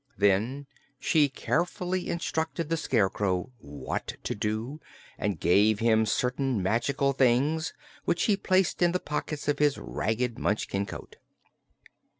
Then she carefully instructed the Scarecrow what to do and gave him certain magical things which he placed in the pockets of his ragged Munchkin coat.